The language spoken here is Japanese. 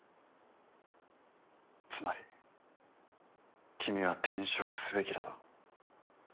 つまり君は転職すべきだと？